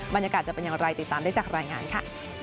บรรยากาศจะเป็นอย่างไรติดตามได้จากรายงานค่ะ